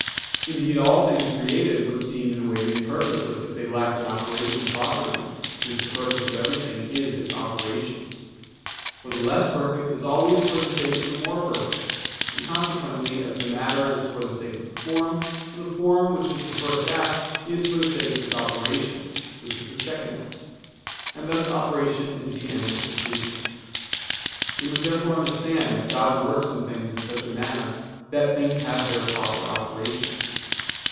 Indeed, all things created would seem, in a way, to be purposeless, if they lacked an operation proper to them; since the purpose of everything is its operation. For the less perfect is always for the sake of the more perfect: and consequently as the matter is for the sake of the form, so the form which is the first act, is for the sake of its operation, which is the second act; and thus operation is the end of the creature. We must therefore understand that God works in things in such a manner that things have their proper operation.